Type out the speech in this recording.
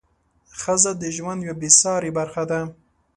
ښځه د ژوند یوه بې سارې برخه ده.